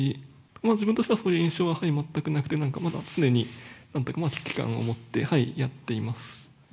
自分としてはそういう印象は全くなくて、常に危機感を持ってやっています。